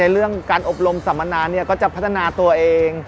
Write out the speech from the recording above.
เรื่องการอบรมสัมมนาก็จะพัฒนาตัวเอง